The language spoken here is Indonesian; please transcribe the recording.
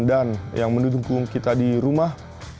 dan yang mendukung kita di rumah